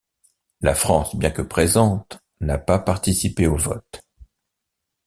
La France, bien que présente, n'a pas participé au vote.